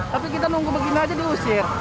tapi kita nunggu begini aja diusir